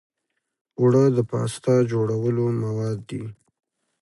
اوړه د پاستا جوړولو مواد دي